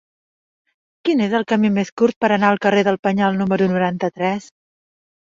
Quin és el camí més curt per anar al carrer del Penyal número noranta-tres?